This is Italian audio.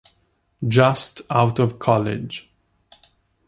Just Out of College